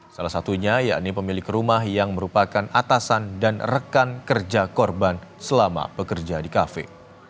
salah satunya yakni pemilik rumah yang merupakan atasan dan rekan kerja korban selama bekerja di kafe